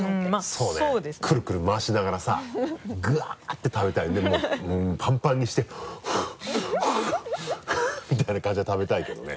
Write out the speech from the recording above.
そうねくるくるまわしながらさぐわって食べたいでもうパンパンにして「ふぅふぅ」みたいな感じで食べたいけどね。